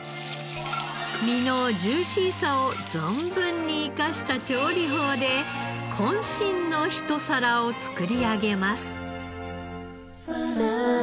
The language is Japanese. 身のジューシーさを存分に活かした調理法で渾身のひと皿を作り上げます。